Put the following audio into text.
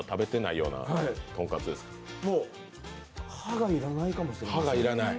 もう歯がいらないかもしれない。